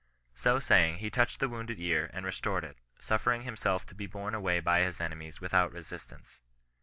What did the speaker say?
So saying, he touched the wounded ear, and restored it, suffering himself to be borne away by his enemies without resistance.